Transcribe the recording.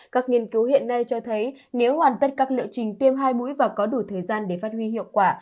các nghiên cứu hiện nay cho thấy nếu hoàn tất các liệu trình tiêm hai mũi và có đủ thời gian để phát huy hiệu quả